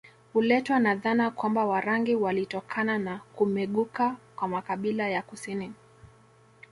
Huletwa na dhana kwamba Warangi walitokana na kumeguka kwa makabila ya kusini